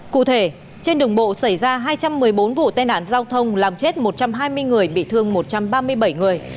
cụ thể trên đường bộ xảy ra hai trăm một mươi bốn vụ tai nạn giao thông làm chết một trăm hai mươi người bị thương một trăm ba mươi bảy người